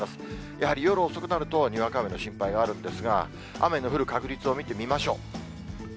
やはり夜遅くなると、にわか雨の心配があるんですが、雨の降る確率を見てみましょう。